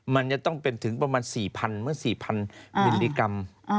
มันจะต้องเป็นถึงประมาณ๔๐๐๐มิลลิกรรม